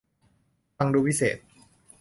ฟังดูวิเศษ